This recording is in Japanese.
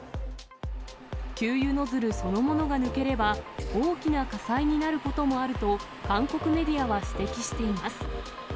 給油ノズルそのものが抜ければ、大きな火災になることもあると、韓国メディアは指摘しています。